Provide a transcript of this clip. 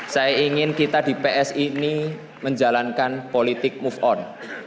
saya ingin kita di psi ini menjalankan politik move on